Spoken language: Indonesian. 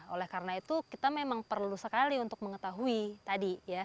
oleh karena itu kita memang perlu sekali untuk mengetahui tadi ya